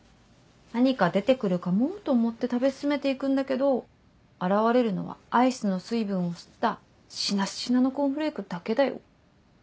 何か出てくるかもと思って食べ進めていくんだけど現れるのはアイスの水分を吸ったしなしなのコーンフレークだけだよ。